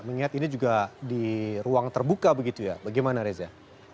mengingat ini juga di ruang terbuka begitu ya bagaimana reza